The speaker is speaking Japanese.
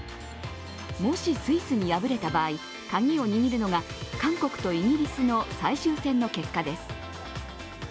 もし、スイスに敗れた場合、カギを握るのが韓国とイギリスの最終戦の結果です。